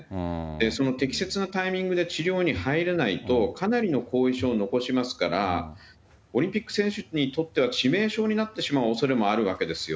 その適切なタイミングで治療に入れないと、かなりの後遺症を残しますから、オリンピック選手にとっては致命傷になってしまうおそれもあるわけですよ。